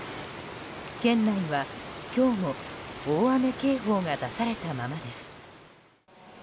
県内は今日も大雨警報が出されたままです。